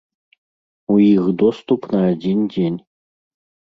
У іх доступ на адзін дзень.